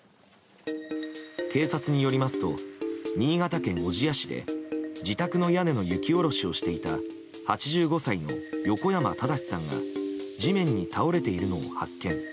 警察によりますと新潟県小千谷市で自宅の屋根の雪下ろしをしていた８５歳の横山正さんが地面に倒れているのを発見。